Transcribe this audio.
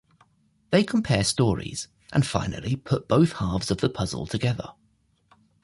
They compare stories and finally put both halves of the puzzle together.